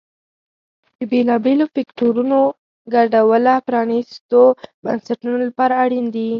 د بېلابېلو فکټورونو ګډوله پرانیستو بنسټونو لپاره اړین دي.